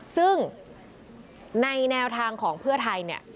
ซึ่งในแนวทางของเพื่อไทยเนี่ย